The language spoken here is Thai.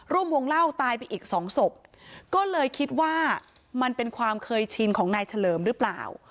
ร่วมวงเล่าตายไปอีกสองศพก็เลยคิดว่ามันเป็นความเคยชินของนายเฉลิมหรือเปล่า